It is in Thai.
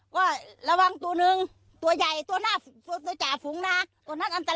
ก็ระวังตัวหนึ่งตัวใหญ่ตัวหน้าตัวจ่าฝูงนะตัวนั้นอันตราย